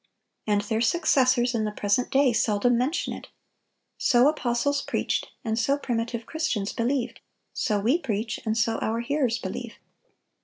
And their successors in the present day seldom mention it! So apostles preached, and so primitive Christians believed; so we preach, and so our hearers believe.